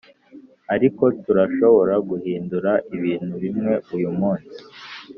ariko turashobora guhindura ibintu bimwe uyu munsi ...